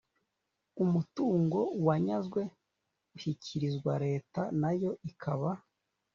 Umutungo wanyazwe ushyikirizwa Leta na yo ikaba